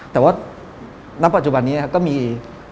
แต่ว่าณปัจจุบันนี้ก็มี